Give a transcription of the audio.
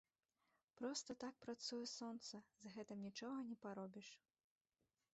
Проста так працуе сонца, з гэтым нічога не паробіш.